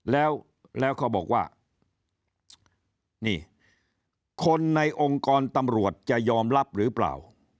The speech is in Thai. แล้วเขาบอกว่านี่คนในองค์กรตำรวจจะยอมรับหรือเปล่า